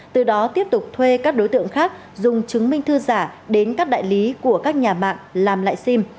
từ đó tiếp tục thuê các đối tượng khác dùng chứng minh thư giả đến các đại lý của các nhà mạng làm lại sim